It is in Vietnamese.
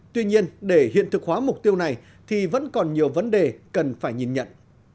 tuy nhiên để hiện thực hóa mục tiêu này thì vẫn còn nhiều vấn đề cần phải nhìn nhận